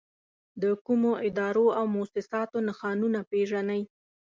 د کومو ادارو او مؤسساتو نښانونه پېژنئ؟